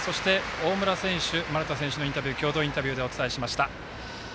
大村選手、丸田選手の共同インタビューでお伝えしました。